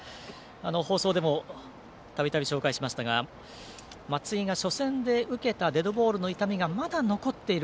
放送でもたびたび紹介しましたが松井が初戦で受けたデッドボールの痛みがまだ残っている。